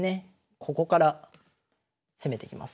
ここから攻めてきます。